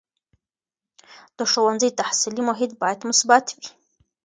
د ښوونځي تحصیلي محیط باید مثبت وي.